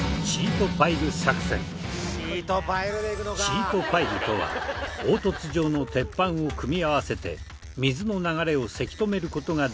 シートパイルとは凹凸状の鉄板を組み合わせて水の流れをせき止める事ができる